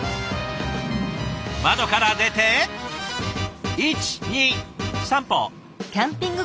窓から出て１２３歩。